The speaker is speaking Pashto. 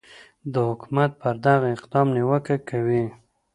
د حکومت پر دغه اقدام نیوکه کوي